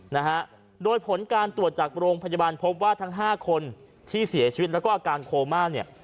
นะฮะโดยผลการตรวจจากโรงพยาบาลพบว่าทั้งห้าคนที่เสียชีวิตแล้วก็อาการโคม่าเนี่ย